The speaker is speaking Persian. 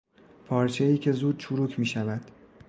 پارچهای که زود چروک میشود